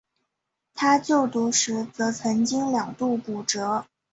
他就读时则曾经两度骨折。